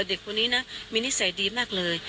เด็กคนนี้นะมีนิสัยดีมากเลย